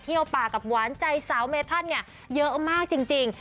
เที่ยวป่ากับหวานใจสาวเมธันเนี้ยเยอะมากจริงจริง